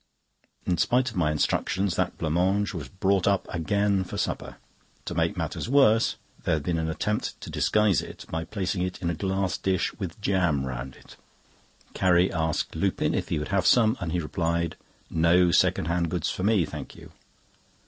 In spite of my instructions, that blanc mange was brought up again for supper. To make matters worse, there had been an attempt to disguise it, by placing it in a glass dish with jam round it. Carrie asked Lupin if he would have some, and he replied: "No second hand goods for me, thank you."